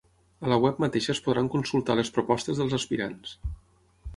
A la web mateixa es podran consultar les propostes dels aspirants.